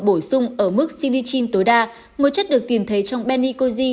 bổ sung ở mức xinichin tối đa một chất được tìm thấy trong benicoji